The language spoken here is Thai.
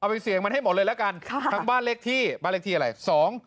ไปเสี่ยงมันให้หมดเลยแล้วกันค่ะทั้งบ้านเลขที่บ้านเลขที่อะไรสอง